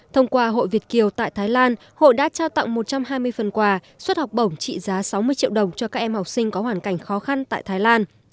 thông qua hội việt kiều tại thái lan hội đã trao tặng một trăm hai mươi phần quà suất học bổng trị giá sáu mươi triệu đồng cho các em học sinh có hoàn cảnh khó khăn tại thái lan